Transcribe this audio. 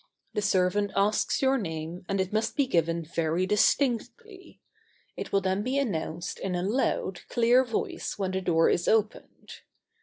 The servant asks your name, and it must be given very distinctly. It will then be announced in a loud, clear voice when the door is opened.